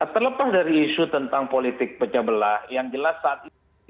terlepas dari isu tentang politik pecah belah yang jelas saat ini